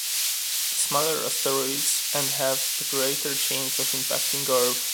The smaller asteroids and have a greater chance of impacting Earth.